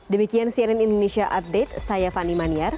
demikian cnn indonesia update saya fani maniar